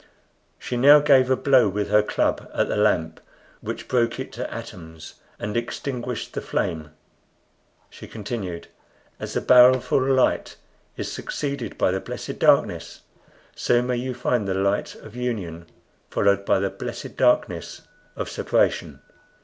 She now gave a blow with her club at the lamp, which broke it to atoms and extinguished the flame. She continued: "As the baleful light is succeeded by the blessed darkness, so may you find the light of union followed by the blessed darkness of separation."